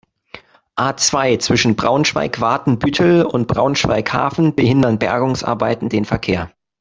A-zwei, zwischen Braunschweig-Watenbüttel und Braunschweig-Hafen behindern Bergungsarbeiten den Verkehr.